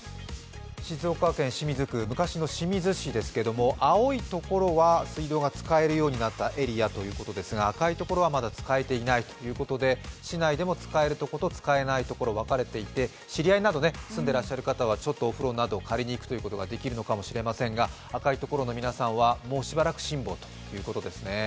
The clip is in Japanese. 静岡県清水区昔の清水市ですけども青いところは水道が使えるようになったエリアということですが、赤いところはまだ使えていないということで、市内でも使えるところと使えないところ分かれていて知り合いなど、住んでらっしゃる方はちょっとお風呂を借りにいくということができるのかもしれませんが赤い所の皆さんは、もうしばらく辛抱というところですね。